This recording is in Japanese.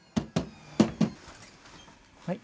はい。